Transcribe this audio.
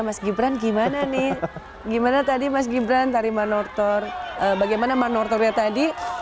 mas gibran gimana nih gimana tadi mas gibran tariman nortor bagaimana manurternya tadi